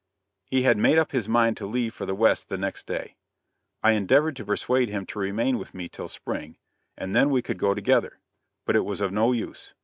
He had made up his mind to leave for the West the next day. I endeavored to persuade him to remain with me till spring, and then we would go together; but it was of no use.